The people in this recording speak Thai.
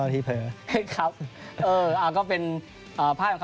ตกหน้าเทอ